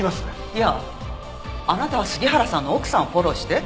いやあなたは杉原さんの奥さんをフォローして。